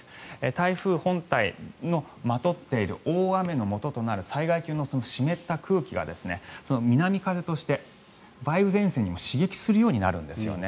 台風本体のまとっている大雨のもととなる災害級の湿った空気が南風として梅雨前線にも刺激するようになるんですよね。